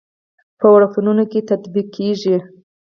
په وړکتونونو کې تطبیقېږي.